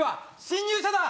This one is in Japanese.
侵入者だ！